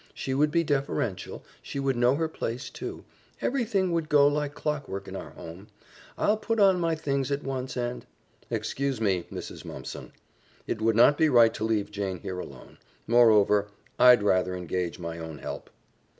She would be deferential, she would know her place, too. Everything would go like clockwork in our home. I'll put on my things at once and " "Excuse me, Mrs. Mumpson. It would not be right to leave Jane here alone. Moreover, I'd rather engage my own help."